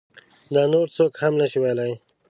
دا نور څوک هم نشي ویلی.